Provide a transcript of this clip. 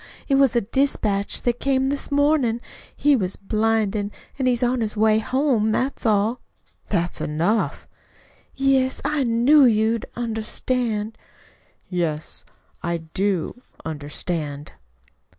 It was a dispatch that came this mornin'. He was blinded, an' is on his way home. That's all." "That's enough." "Yes, I knew you'd understand." "Yes, I do understand."